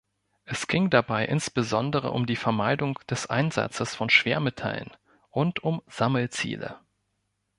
Es ging dabei insbesondere um die Vermeidung des Einsatzes von Schwermetallen und um Sammelziele.